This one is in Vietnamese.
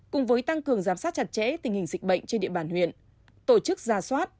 cùng với tăng cường giám sát chặt chẽ tình hình dịch bệnh trên địa bàn huyện tổ chức ra soát